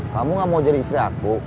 kamu gak mau jadi istri aku